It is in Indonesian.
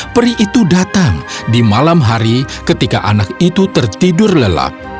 peri itu datang di malam hari ketika anak itu tertidur lelap